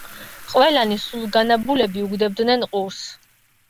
ყველანი სულგანაბულები უგდებდნენ ყურს